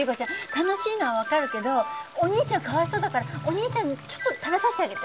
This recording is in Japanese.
楽しいのは分かるけどお兄ちゃんかわいそうだからお兄ちゃんにちょっと食べさせてあげて。